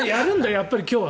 やっぱり今日は。